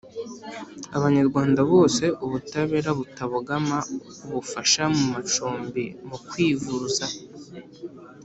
Abanyarwanda bose ubutabera butabogama ubufasha mu macumbi mu kwivuza